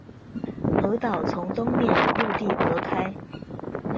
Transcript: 鹅岛从东面与陆地隔开。